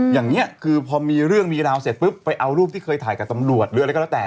อย่างนี้คือพอมีเรื่องมีราวเสร็จปุ๊บไปเอารูปที่เคยถ่ายกับตำรวจหรืออะไรก็แล้วแต่